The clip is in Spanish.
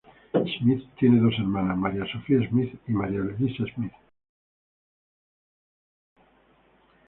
Smith tiene dos hermanas, María Sofía Smith y María Elisa Smith.